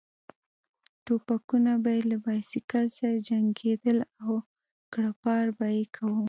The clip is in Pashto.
ټوپکونه به یې له بایسکل سره جنګېدل او کړپهار به یې کاوه.